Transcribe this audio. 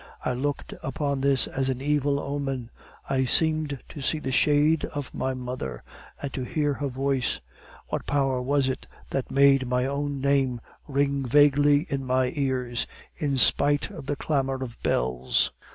I looked upon this as an evil omen. I seemed to see the shade of my mother, and to hear her voice. What power was it that made my own name ring vaguely in my ears, in spite of the clamor of bells?